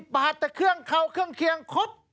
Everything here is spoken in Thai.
บาทแต่เครื่องเข้าเครื่องเคียงครบ